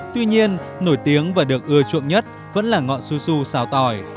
tuy nhiên nổi tiếng và được ưa chuộng nhất vẫn là ngọn su su xào tỏi